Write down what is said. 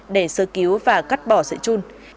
để sơ cứu và cắt bỏ sợi chun